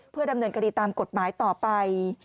เพื่อดำเนินคดีตามกฎหมายต่อไป